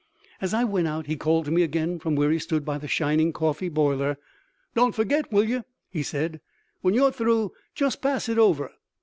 As I went out he called to me again from where he stood by the shining coffee boiler. "Don't forget, will you?" he said. "When you're through, just pass it over."